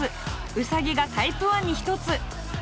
ウサギがタイプ１に１つ。